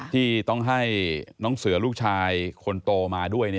ที่ต้องให้น้องเสือลูกชายคนโตมาด้วย